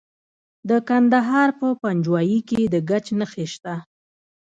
د کندهار په پنجوايي کې د ګچ نښې شته.